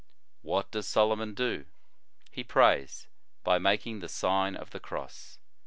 What does Solomon do? He prays, by making the Sign of the Cross.